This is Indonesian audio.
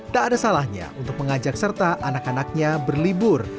tak ada salahnya untuk mengajak serta anak anaknya berlibur